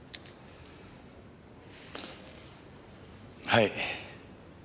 はい。